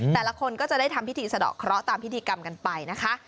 แต่ละคนก็จะได้ทำพิธีสะดอกเคราะห์ตามพิธีกรรมกันไปนะคะ